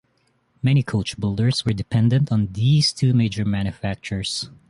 Many coach builders were dependent on these two major manufacturers.